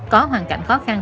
có hoàn cảnh khó khăn